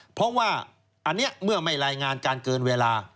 เพราะว่าเมื่อไม่ลายงานการเกินเวลา